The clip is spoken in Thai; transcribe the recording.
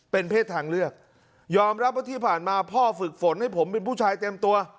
เป็นเพศทางเลือกยอมรับว่าที่ผ่านมาพ่อฝึกฝนให้ผมเป็นผู้ชายเต็มตัว